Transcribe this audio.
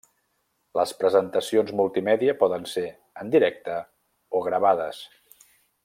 Les presentacions multimèdia poden ser en directe o gravades.